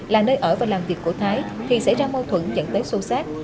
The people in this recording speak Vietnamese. là nơi ở và làm việc của thái thì xảy ra mâu thuẫn dẫn tới sâu sát